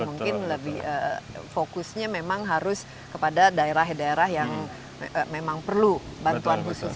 mungkin lebih fokusnya memang harus kepada daerah daerah yang memang perlu bantuan khusus